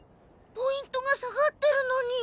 ポイントが下がってるのに。